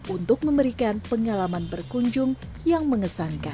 untuk memberikan pengalaman berkunjung yang mengesankan